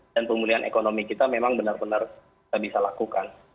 dan pemulihan ekonomi kita memang benar benar bisa lakukan